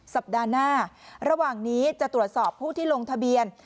สัปดาห์หน้าระหว่างนี้จะตรวจสอบผู้ที่ลงทะเบียน